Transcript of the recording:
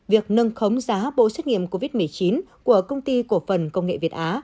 việc nâng khống giá bộ xét nghiệm covid một mươi chín của công ty cổ phần công nghệ việt á